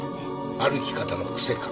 歩き方の癖か。